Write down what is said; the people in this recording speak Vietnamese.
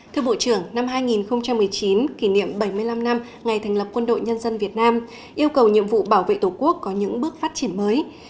thưa bộ trưởng năm hai nghìn một mươi chín kỷ niệm bảy mươi năm năm ngày thành lập quân đội nhân dân việt nam yêu cầu nhiệm vụ bảo vệ tổ quốc có những bước phát triển mới